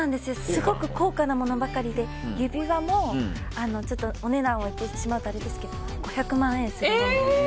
すごく高価なものばかりで指輪も、お値段を言ってしまうとあれですけど５００万円するもの。